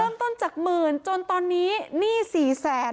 เริ่มต้นจากหมื่นจนตอนนี้หนี้๔๐๐๐๐๐บาท